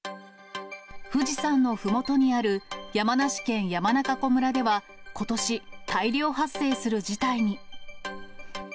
富士山のふもとにある山梨県山中湖村では、ことし、大量発生する事態に。